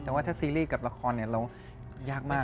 แต่ว่าถ้าซีรีส์กับละครเรายากมาก